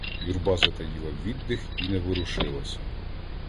Юрба затаїла віддих і не ворушилася.